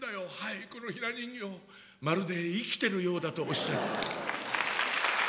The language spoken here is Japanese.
「このひな人形まるで生きてるようだとおっしゃる」。